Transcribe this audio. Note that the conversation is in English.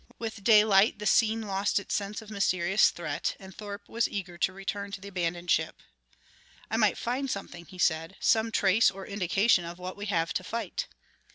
With daylight the scene lost its sense of mysterious threat, and Thorpe was eager to return to the abandoned ship. "I might find something," he said, "some trace or indication of what we have to fight."